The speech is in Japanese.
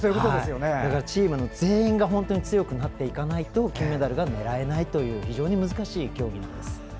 チームの全員が強くなっていかないと金メダルが狙えないという非常に難しい競技なんです。